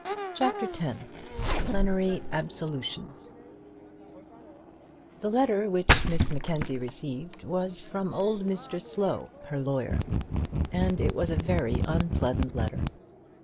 CHAPTER X Plenary Absolutions The letter which Miss Mackenzie received was from old Mr Slow, her lawyer; and it was a very unpleasant letter.